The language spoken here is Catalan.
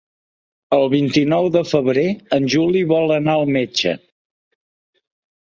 El vint-i-nou de febrer en Juli vol anar al metge.